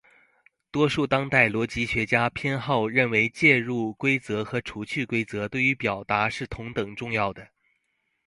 多数当代逻辑学家偏好认为介入规则和除去规则对于表达是同等重要的。